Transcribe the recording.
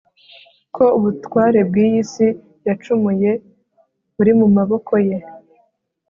ko ubutware bwiyi si yacumuye buri mu maboko ye